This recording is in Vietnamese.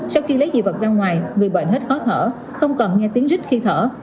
sau khi lấy dị vật ra ngoài người bệnh hết khó thở không cần nghe tiếng rít khi thở